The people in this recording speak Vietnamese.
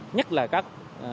nhất là các